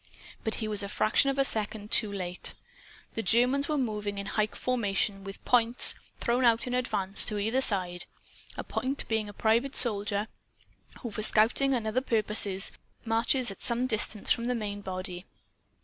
But he was a fraction of a second too late. The Germans were moving in hike formation with "points" thrown out in advance to either side a "point" being a private soldier who, for scouting and other purposes, marches at some distance from the main body.